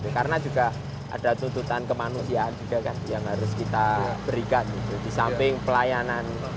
karena juga ada tuntutan kemanusiaan juga yang harus kita berikan di samping pelayanan